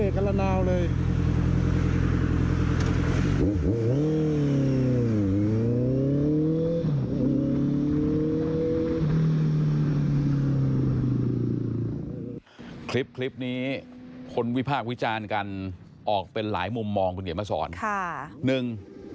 คลิปคลิปนี้คนวิภาควิจารย์กันออกเป็นหลายมุมมองกันอย่างเกียรติมาสอน